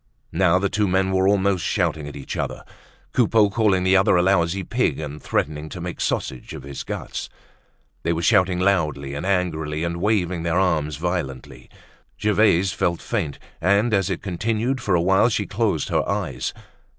Now the two men were almost shouting at each other, Coupeau calling the other a lousy pig and threatening to make sausage of his guts. They were shouting loudly and angrily and waving their arms violently. Gervaise felt faint and as it continued for a while, she closed her eyes.